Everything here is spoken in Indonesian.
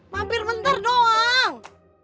mampir bentar doang